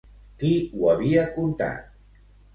Qui ho havia contat?